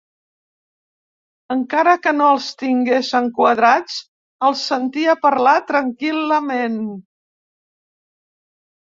Encara que no els tingués enquadrats els sentia parlar tranquil·lament.